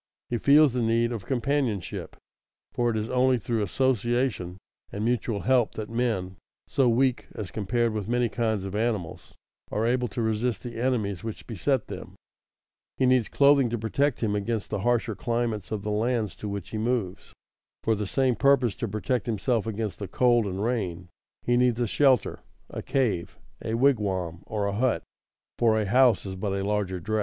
He feels the need of companionship, for it is only through association and mutual help that men, so weak as compared with many kinds of animals, are able to resist the enemies which beset them. He needs clothing to protect him against the harsher climates of the lands to which he moves. For the same purpose, to protect himself against the cold and rain, he needs a shelter, a cave, a wigwam, or a hut; for a house is but a larger dress.